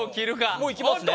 もう行きますね。